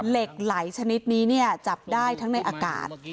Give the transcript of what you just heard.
เหล็กไหลชนิดนี้จับได้ทั้งในอากาศ